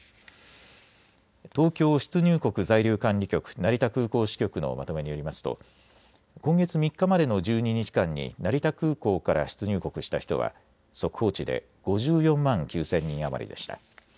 東京出入国在留管理局成田空港支局のまとめによりますと今月３日までの１２日間に成田空港から出入国した人は速報値で５４万９０００人余りでした。